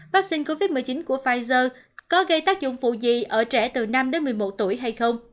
vaccine covid một mươi chín của pfizer có gây tác dụng phụ gì ở trẻ từ năm đến một mươi một tuổi hay không